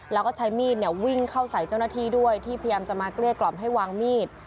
แล้วก็ใช้มีดวิ่งเข้าใส่เจ้าหน้าที่ด้วยที่พยายามจะมาเกลี้ยกล่อมให้วางมีด